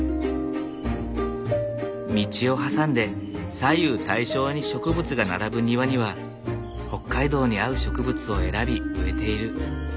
道を挟んで左右対称に植物が並ぶ庭には北海道に合う植物を選び植えている。